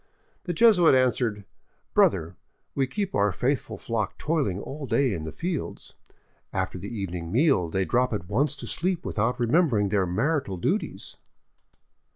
The Jesuit answered :" Brother, we keep our faithful flock toiling all day in the fields. After the evening meal they drop at once to sleep without remembering their marital duties.